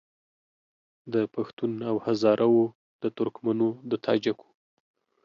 د پښتون او هزاره وو د ترکمنو د تاجکو